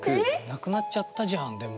なくなっちゃったんじゃんでも。